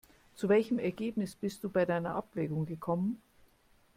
Zu welchem Ergebnis bist du bei deiner Abwägung gekommen?